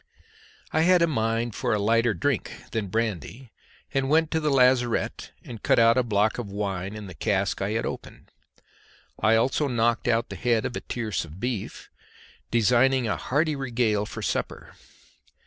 I had a mind for a lighter drink than brandy, and went to the lazarette and cut out a block of the wine in the cask I had opened; I also knocked out the head of a tierce of beef, designing a hearty regale for supper.